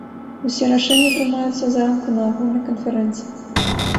Усе рашэнні прымаюцца зранку на агульнай канферэнцыі.